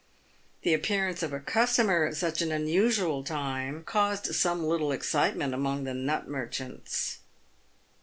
The appearance of a customer at such an unusual time caused some little excitement among the nut merchants.